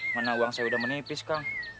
mana uang saya sudah menipis kang